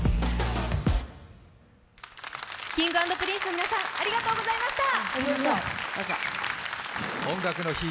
Ｋｉｎｇ＆Ｐｒｉｎｃｅの皆さん、ありがとうございました。